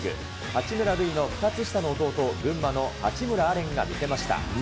八村塁の２つ下の弟、群馬の八村阿蓮が見せました。